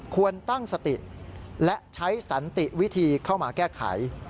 ควรตั้งสติและใช้สันติวิธีเข้ามาแก้ไข